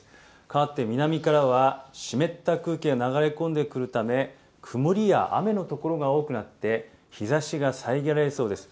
かわって南からは、湿った空気が流れ込んでくるため、曇りや雨の所が多くなって、日ざしが遮られそうです。